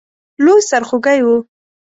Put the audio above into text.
لوی سرخوږی وو.